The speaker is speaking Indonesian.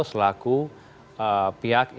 selaku pihak ferry sambo